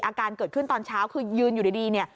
อาการเกิดขึ้นตอนเช้าคือยืนอยู่ดีเนี่ย